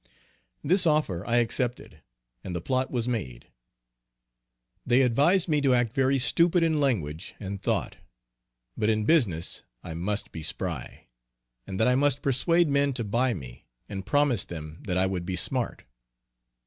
This offer I accepted, and the plot was made. They advised me to act very stupid in language and thought, but in business I must be spry; and that I must persuade men to buy me, and promise them that I would be smart.